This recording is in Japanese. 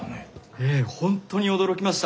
ええ本当に驚きました。